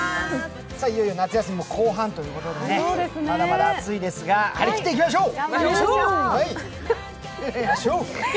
いよいよ夏休みも後半ということで、まだまだ暑いですが、張り切っていきましょう！